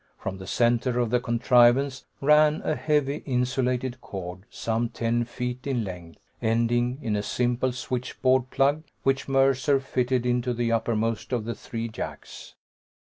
From the center of the contrivance ran a heavy insulated cord, some ten feet in length, ending in a simple switchboard plug, which Mercer fitted into the uppermost of the three jacks.